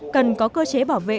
cần có cơ chế bảo vệ